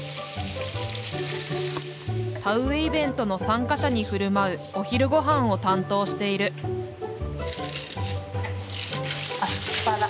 田植えイベントの参加者に振る舞うお昼ごはんを担当しているアスパラ。